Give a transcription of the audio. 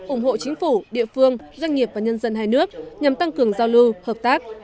ủng hộ chính phủ địa phương doanh nghiệp và nhân dân hai nước nhằm tăng cường giao lưu hợp tác